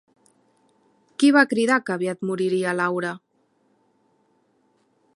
Qui va cridar que aviat moriria Laura?